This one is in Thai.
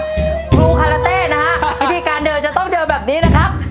ครูคาราเต้นะฮะวิธีการเดินจะต้องเดินแบบนี้นะครับ